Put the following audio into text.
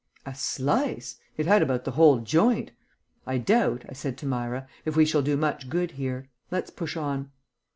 "A slice! It had about the whole joint. I doubt," I said to Myra, "if we shall do much good here; let's push on."